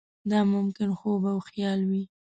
دا ممکن خوب او خیال وي.